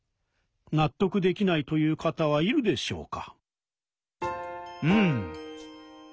納得できないという方はいるでしょうか？